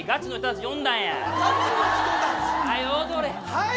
はい？